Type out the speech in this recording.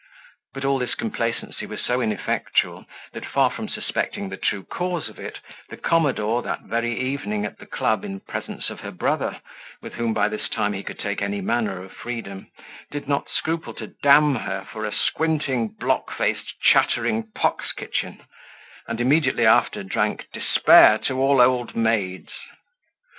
But all this complacency was so ineffectual, that, far from suspecting the true cause of it, the commodore, that very evening, at the club, in presence of her brother, with whom by this time he could take any manner of freedom, did not scruple to d her for a squinting, block faced, chattering p kitchen; and immediately after drank "Despair to all old maids."